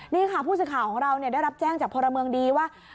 นี่ค่ะผู้สื่อข่าวของเราได้รับแจ้งจากพลเมืองดีว่า